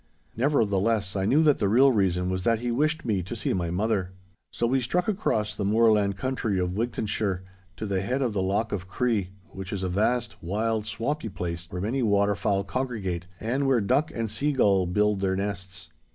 Nevertheless, I knew that the real reason was that he wished me to see my mother. So we struck across the moorland country of Wigtonshire to the head of the Loch of Cree, which is a vast, wild, swampy place where many waterfowl congregate, and where duck and seagull build their nests.